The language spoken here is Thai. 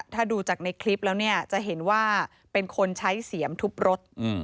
ถ้าดูจากในคลิปแล้วเนี่ยจะเห็นว่าเป็นคนใช้เสียมทุบรถ